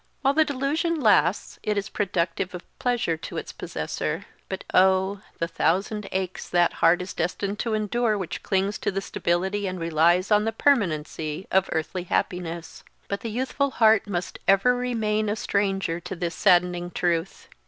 While the delusion lasts it is productive of pleasure to its possessor; but oh! the thousand aches that heart is destined to endure which clings to the stability and relies on the permanency of earthly happiness! But the youthful heart must ever remain a stranger to this saddening truth.